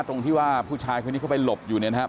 ตรงที่ว่าผู้ชายคนนี้เขาไปหลบอยู่เนี่ยนะครับ